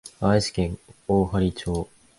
愛知県大治町